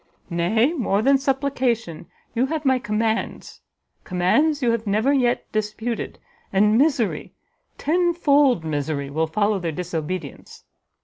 "Nay, more than supplication, you have my commands; commands you have never yet disputed, and misery, ten fold misery, will follow their disobedience.